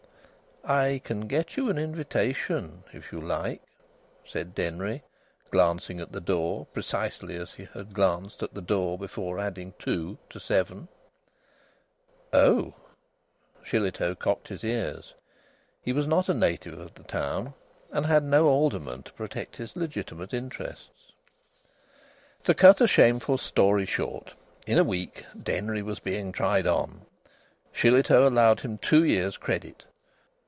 "I can get you an invitation, if you like," said Denry, glancing at the door precisely as he had glanced at the door before adding 2 to 7. "Oh!" Shillitoe cocked his ears. He was not a native of the town, and had no alderman to protect his legitimate interests. To cut a shameful story short, in a week Denry was being tried on. Shillitoe allowed him two years' credit.